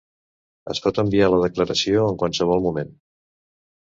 Es pot enviar la declaració en qualsevol moment.